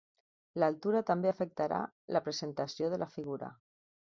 L'altura també afectarà la presentació de la figura.